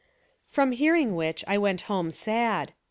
From hearing which, I went home sad.